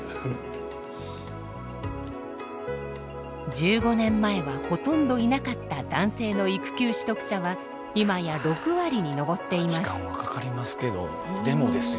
１５年前はほとんどいなかった男性の育休取得者は今や６割に上っています。